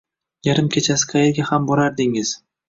Yarim kechasi qaerga ham borardingiz